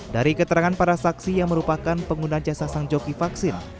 dari keterangan para saksi yang merupakan pengguna jasa sang joki vaksin